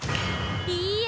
いいえ！